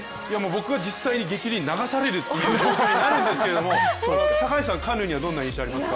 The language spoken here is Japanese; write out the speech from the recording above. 僕は実際に激流に流されるという状態になるんですけど高橋さん、カヌーにはどんな印象がありますか？